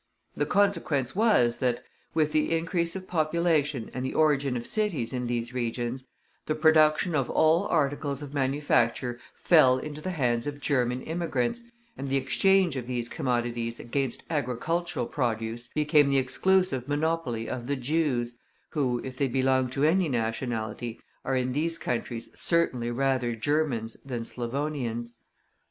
The consequence was that, with the increase of population and the origin of cities in these regions, the production of all articles of manufacture fell into the hands of German immigrants, and the exchange of these commodities against agricultural produce became the exclusive monopoly of the Jews, who, if they belong to any nationality, are in these countries certainly rather Germans than Slavonians.